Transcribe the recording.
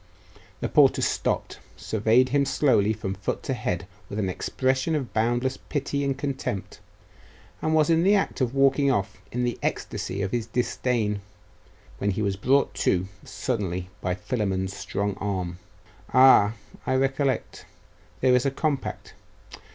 The porter stopped, surveyed him slowly from foot to head with an expression of boundless pity and contempt, and was in the act of walking off in the ecstasy of his disdain, when he was brought to suddenly by Philammon's strong arm. 'Ah! I recollect. There is a compact....